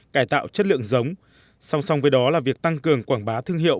cải tạo chất lượng giống song song với đó là việc tăng cường quảng bá thương hiệu